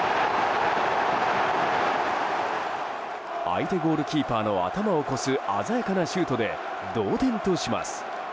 相手ゴールキーパーの頭を越す鮮やかなシュートで同点とします。